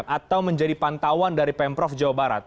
atau menjadi pantauan dari pemprov jawa barat